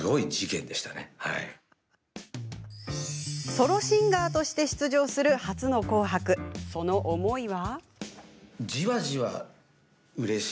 ソロシンガーとして出場する初の「紅白」、その思いは。